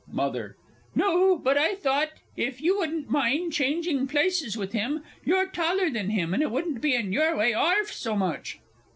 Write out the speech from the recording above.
MOTHER. No but I thought, if you wouldn't mind changing places with him you're taller than him, and it wouldn't be in your way 'arf so much.